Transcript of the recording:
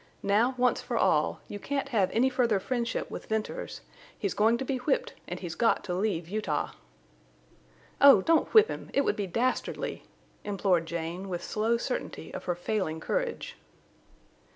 Now, once for all, you can't have any further friendship with Venters. He's going to be whipped, and he's got to leave Utah!" "Oh! Don't whip him! It would be dastardly!" implored Jane, with slow certainty of her failing courage.